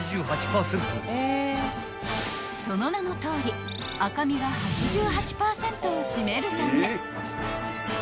［その名のとおり赤身が８８％を占めるため］